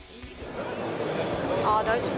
あ大丈夫。